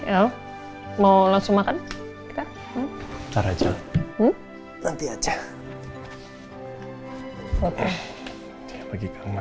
eh mau langsung makan nanti aja